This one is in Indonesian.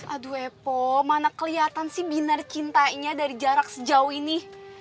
aduh epo mana kelihatan sih binar cintanya dari jarak sejauh ini